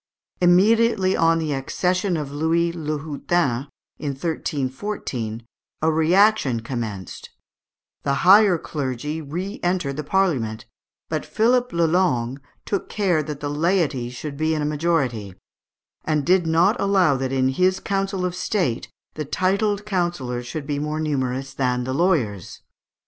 Immediately on the accession of Louis le Hutin, in 1314, a reaction commenced the higher clergy re entered Parliament; but Philippe le Long took care that the laity should be in a majority, and did not allow that in his council of State the titled councillors should be more numerous than the lawyers.